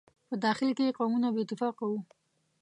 په داخل کې یې قومونه بې اتفاقه وو.